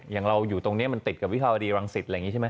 อย่างเราอยู่ตรงนี้มันติดกับวิภาวดีรังสิตอะไรอย่างนี้ใช่ไหม